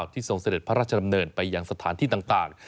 ทรงเสด็จพระราชดำเนินไปยังสถานที่ต่าง